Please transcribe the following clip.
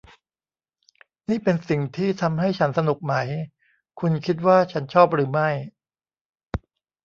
นี่เป็นสิ่งที่ทำให้ฉันสนุกไหม ? คุณคิดว่าฉันชอบหรือไม่